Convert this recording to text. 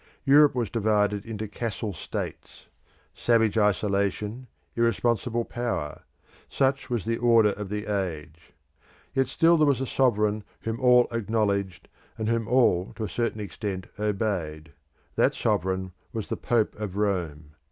Europe was divided into castle states. Savage isolation, irresponsible power: such was the order of the age. Yet still there was a sovereign whom all acknowledged, and whom all to a certain extent obeyed. That sovereign was the Pope of Rome.